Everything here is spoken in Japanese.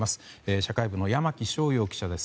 社会部の山木翔遥記者です。